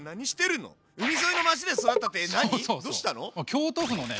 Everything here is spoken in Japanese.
京都府のね